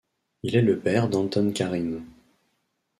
Il est le père d'Anton Kharine.